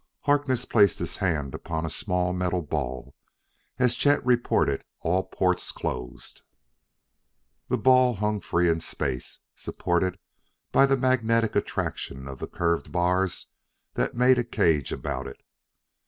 Harkness placed his hand upon a small metal ball as Chet reported all ports closed. The ball hung free in space, supported by the magnetic attraction of the curved bars that made a cage about it.